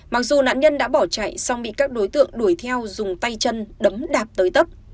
mặc dù nạn nhân đã bỏ chạy song bị các đối tượng đuổi theo dùng tay chân đấm đạp tới tấp